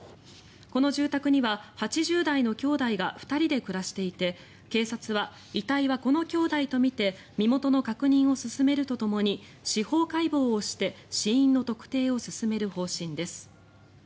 この住宅には８０代の兄弟が２人で暮らしていて警察は、遺体はこの兄弟とみて身元の確認を進めるとともに司法解剖をして死因の特定を進める方針です。